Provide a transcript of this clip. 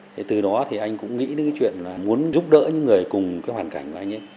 thế từ đó thì anh cũng nghĩ đến cái chuyện là muốn giúp đỡ những người cùng cái hoàn cảnh của anh ấy